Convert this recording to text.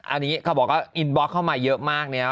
อันนี้เขาบอกว่าอินบล็อกเข้ามาเยอะมากเนี่ย